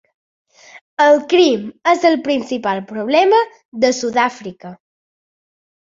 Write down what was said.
El crim és el principal problema de Sud-àfrica.